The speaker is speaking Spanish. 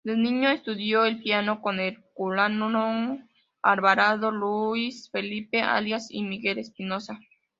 De niño estudió el piano con Herculano Alvarado, Luis Felipe Arias y Miguel Espinosa.